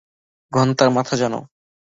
ঘন্টার মাথা জানো!